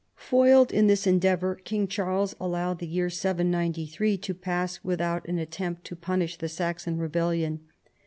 Foiled in this endeavor King Charles allowed the year 793 to pass without an attempt to punish the Saxon rebellion.